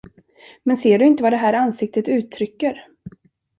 Men ser du inte vad det här ansiktet uttrycker?